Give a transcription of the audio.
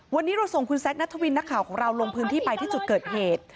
วันนี้เราส่งคุณแซคนัทวินนักข่าวของเราลงพื้นที่ไปที่จุดเกิดเหตุ